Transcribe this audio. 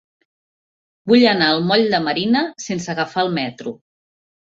Vull anar al moll de Marina sense agafar el metro.